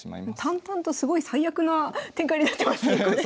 淡々とすごい最悪な展開になってますねこれ。